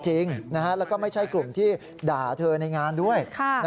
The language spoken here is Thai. จริงแล้วก็ไม่ใช่กลุ่มที่ด่าเธอในงานด้วย